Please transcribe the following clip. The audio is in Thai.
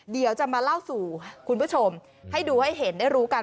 เดี๋ยวจะมาเล่าสู่คุณผู้ชมให้ดูให้เห็นได้รู้กัน